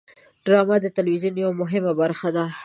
ډرامه د تلویزیون یوه مهمه برخه ده